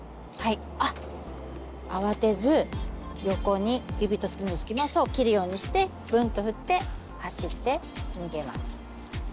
慌てず横に指と指のすき間を切るようにしてブンと振って走って逃げます。